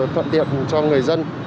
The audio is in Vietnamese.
thuận tiện cho người dân